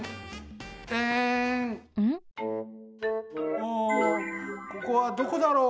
あここはどこだろう？